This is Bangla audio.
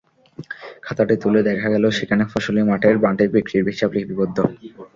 খাতাটি তুলে দেখা গেল, সেখানে ফসলি মাঠের মাটি বিক্রির হিসাব লিপিবদ্ধ।